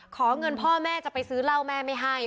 ขอเงินพ่อแม่จะไปซื้อเหล้าแม่ไม่ให้